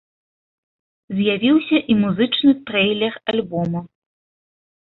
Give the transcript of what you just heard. З'явіўся і музычны трэйлер альбома.